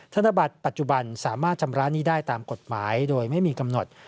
ธนบัตรปัจจุบันสามารถชำระหนี้ได้ตามกฎหมายโดยไม่มีกำหนด